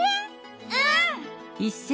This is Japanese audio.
うん！